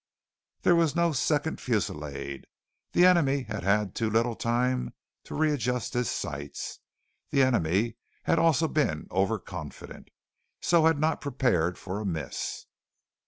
There was no second fullisade. The enemy had had too little time to readjust his sights. The enemy had also been overconfident, so had not prepared for a miss.